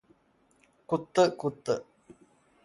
കുത്ത് കുത്ത്